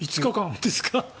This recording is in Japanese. ５日間もですか？